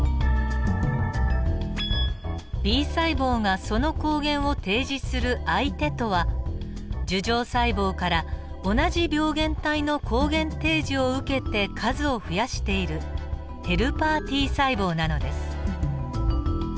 Ｂ細胞がその抗原を提示する相手とは樹状細胞から同じ病原体の抗原提示を受けて数を増やしているヘルパーＴ細胞なのです。